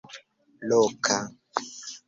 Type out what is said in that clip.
loka